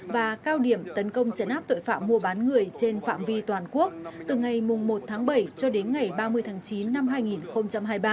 và cao điểm tấn công chấn áp tội phạm mua bán người trên phạm vi toàn quốc từ ngày một tháng bảy cho đến ngày ba mươi tháng chín năm hai nghìn hai mươi ba